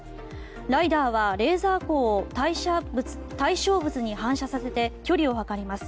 ＬｉＤＡＲはレーザー光を対象物に反射させて距離を測ります。